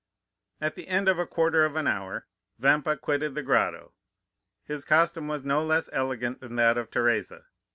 "At the end of a quarter of an hour Vampa quitted the grotto; his costume was no less elegant than that of Teresa.